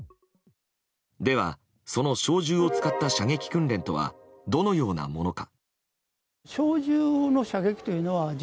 では、その小銃を使った射撃訓練とはどのようなものか。